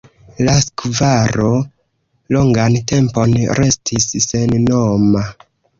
La skvaro longan tempon restis sennoma.